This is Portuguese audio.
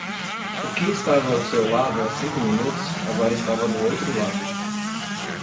O que estava ao seu lado há cinco minutos agora estava do outro lado.